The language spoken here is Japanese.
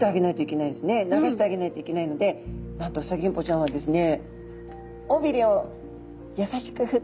流してあげないといけないのでなんとフサギンポちゃんはですね